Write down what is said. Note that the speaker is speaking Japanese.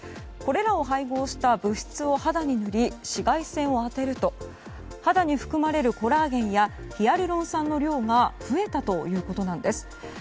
これらを配合した物質を肌に塗り紫外線を当てると肌に含まれるコラーゲンやヒアルロン酸の量が増えたということなんです。